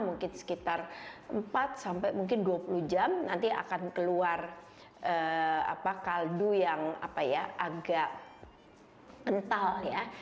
mungkin sekitar empat sampai mungkin dua puluh jam nanti akan keluar kaldu yang agak kental ya